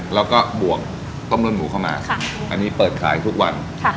แล้วก็บวกต้มเลือดหมูเข้ามาค่ะอันนี้เปิดขายทุกวันค่ะ